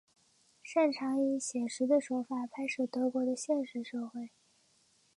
擅长以写实的手法拍摄德国的现实社会。